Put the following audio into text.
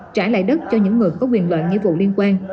trả lại đất cho những người có quyền loại nghĩa vụ liên quan